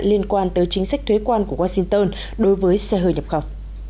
liên quan tới chính sách thuế quan của washington đối với xe hơi nhập khẩu